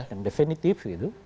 yang definitif gitu